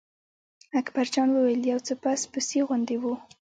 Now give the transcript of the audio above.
اکبر جان وویل: یو څه پس پسي غوندې و.